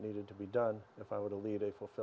ketika saya berumur lima dan sepuluh